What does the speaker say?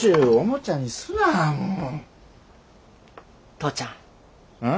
父ちゃん。